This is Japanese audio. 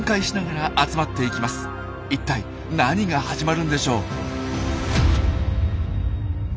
いったい何が始まるんでしょう？